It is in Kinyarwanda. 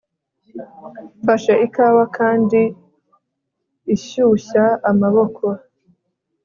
mfashe ikawa kandi ishyushya amaboko